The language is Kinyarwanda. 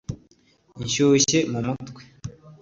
nshyushye mu mutwe